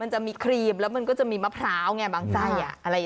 มันจะมีครีมแล้วมันก็จะมีมะพร้าวไงบางไส้